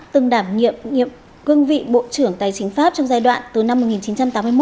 từng đảm nhiệm cương vị bộ trưởng tài chính pháp trong giai đoạn từ năm một nghìn chín trăm tám mươi một